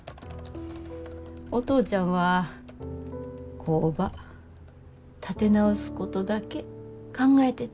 お父ちゃんは工場立て直すことだけ考えてた。